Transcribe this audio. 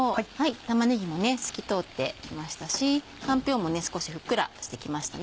玉ねぎも透き通ってきましたしかんぴょうも少しふっくらしてきましたね。